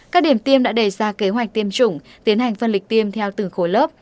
các điểm tiêm đã đề ra kế hoạch tiêm chủng tiến hành phân lịch tiêm theo từng khối lớp